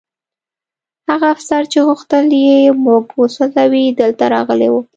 هغه افسر چې غوښتل یې موږ وسوځوي دلته راغلی و